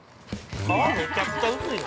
◆皮めちゃくちゃ薄いな。